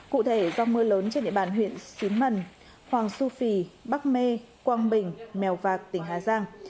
cụ thể do mưa lớn trên địa bàn huyện xín mần hoàng su phi bắc mê quang bình mèo vạc tỉnh hà giang